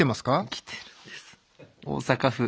来てるんです。